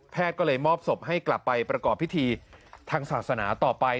ก็เลยมอบศพให้กลับไปประกอบพิธีทางศาสนาต่อไป